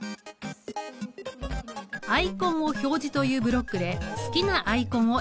「アイコンを表示」というブロックで好きなアイコンを選んでみる。